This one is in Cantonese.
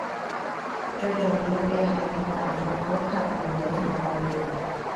最重要嘅係向大衆普及原理同概念